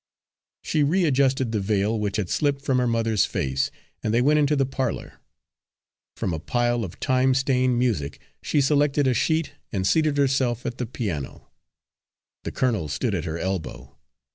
She readjusted the veil, which had slipped from her mother's face, and they went into the parlour. From a pile of time stained music she selected a sheet and seated herself at the piano. The colonel stood at her elbow.